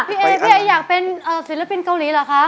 พี่เอพี่เออยากเป็นศิลปินเกาหลีเหรอคะ